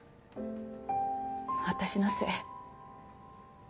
私のせい。